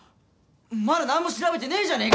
まだなんも調べてねえじゃねえ！